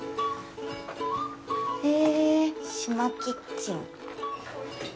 へえ、島キッチン。